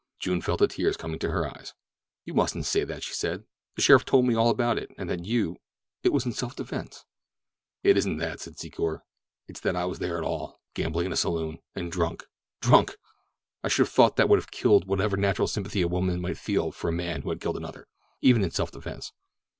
June felt the tears coming to her eyes. "You mustn't say that," she said. "The sheriff told me all about it, and that you—it was in self defense." "It isn't that," said Secor. "It's that I was there at all—gambling in a saloon—and drunk. Drunk! I should have thought that would have killed whatever natural sympathy a woman might feel for a man who had killed another, even in self defense.